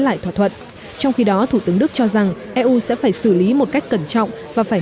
lại thỏa thuận trong khi đó thủ tướng đức cho rằng eu sẽ phải xử lý một cách cẩn trọng và phải